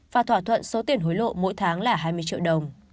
và thỏa thuận số tiền hối lộ mỗi tháng là hai mươi triệu đồng